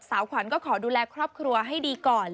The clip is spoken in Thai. ขวัญก็ขอดูแลครอบครัวให้ดีก่อน